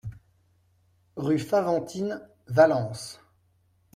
Rue Faventines, Valence